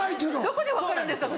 どこで分かるんですか？